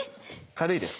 軽いです。